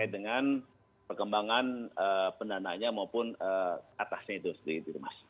dengan perkembangan pendanaannya maupun atasnya itu sendiri